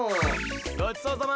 ごちそうさま。